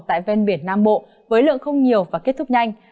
tại ven biển nam bộ với lượng không nhiều và kết thúc nhanh